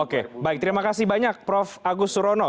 oke baik terima kasih banyak prof agus surono